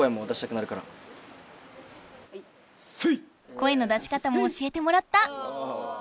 声の出し方も教えてもらった！